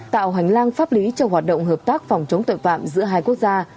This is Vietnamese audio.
tạo hành lang pháp lý cho hoạt động hợp tác phòng chống tội phạm giữa hai quốc gia